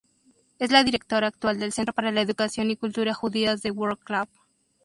Es la directora actual del Centro para la Educación y Cultura judías de Wroclaw.